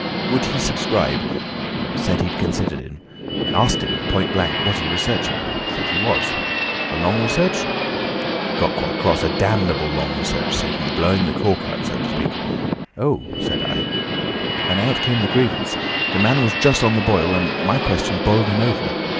Would he subscribe? Said he'd consider it. Asked him, point blank, was he researching. Said he was. A long research? Got quite cross. 'A damnable long research,' said he, blowing the cork out, so to speak. 'Oh,' said I. And out came the grievance. The man was just on the boil, and my question boiled him over.